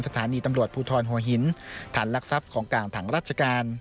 สถานีตำรวจภูทรหัวหินฐานลักทรัพย์ของกลางถังราชการ